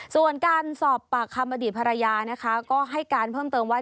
ส่วนการสอบปากคำอดีตภรรยานะคะก็ให้การเพิ่มเติมว่า